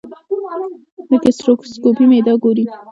د ګیسټروسکوپي معده ګوري.